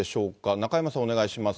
中山さん、お願いします。